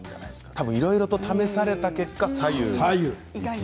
多分いろいろと試された結果左右。